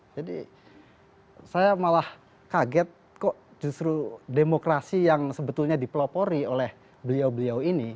jadi saya malah kaget kok justru demokrasi yang sebetulnya dipelopori oleh beliau beliau ini